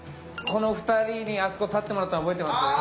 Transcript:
この２人にあそこ立ってもらったの覚えてます？